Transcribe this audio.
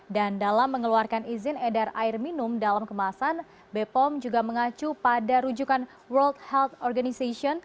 dan dalam mengeluarkan izin edar air minum dalam kemasan bepom juga mengacu pada rujukan world health organization